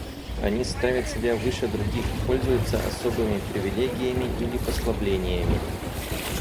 Они ставят себя выше других, пользуются особыми привилегиями или послаблениями.